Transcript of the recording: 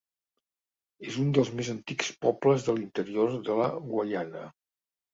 És un dels més antics pobles de l'interior de la Guaiana.